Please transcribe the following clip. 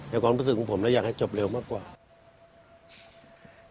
ความรู้สึกของผมและอยากให้จบเร็วมากกว่า